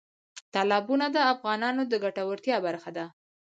تالابونه د افغانانو د ګټورتیا برخه ده.